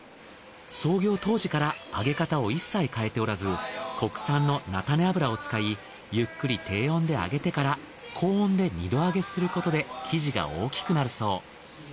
創業当時から揚げ方を一切変えておらず国産の菜種油を使いゆっくり低温で揚げてから高温で２度揚げすることで生地が大きくなるそう。